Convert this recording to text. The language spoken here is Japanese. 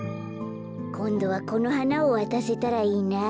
こんどはこのはなをわたせたらいいなあ。